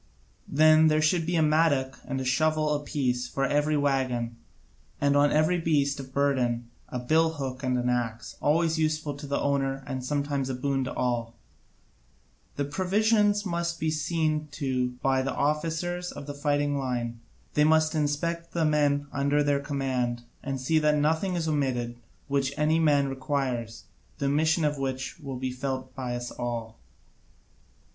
Then there should be a mattock and a shovel apiece for every waggon, and on every beast of burden a billhook and an axe, always useful to the owner and sometimes a boon to all. The provisions must be seen to by the officers of the fighting line; they must inspect the men under their command and see that nothing is omitted which any man requires; the omission would be felt by us all.